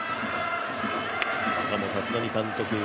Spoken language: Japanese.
しかも立浪監督